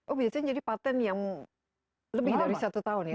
oh biasanya jadi patent yang lebih dari satu tahun ya